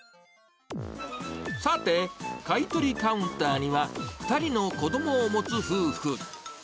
さて、買い取りカウンターには、２人の子どもを持つ夫婦。